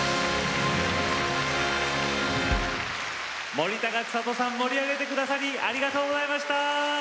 森高千里さん盛り上げて下さりありがとうございました！